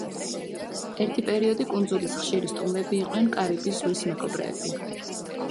ერთი პერიოდი კუნძულის ხშირი სტუმრები იყვნენ კარიბის ზღვის მეკობრეები.